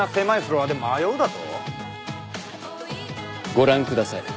ご覧ください。